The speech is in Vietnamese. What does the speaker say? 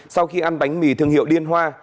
sau khi ăn bánh mì thương hiệu liên hoa